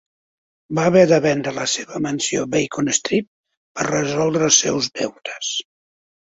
Va haver de vendre la seva mansió Beacon Street per resoldre els seus deutes.